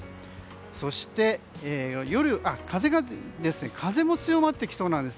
そして、風も強まってきそうなんです。